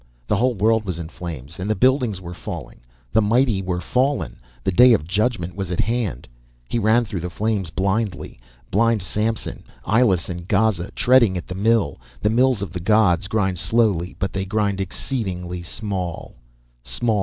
The whole world was in flames, and the buildings were falling, the mighty were fallen, the Day of Judgment was at hand. He ran through the flames, blindly. Blind Samson. Eyeless in Gaza, treading at the mill. The mills of the gods grind slowly, but they grind exceedingly small. Small.